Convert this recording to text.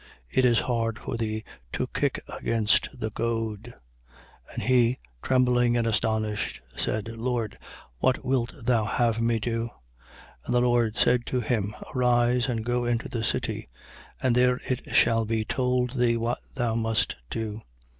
It is hard for thee to kick against the goad. 9:6. And he, trembling and astonished, said: Lord, what wilt thou have me to do? 9:7. And the Lord said to him: Arise and go into the city; and there it shall be told thee what thou must do.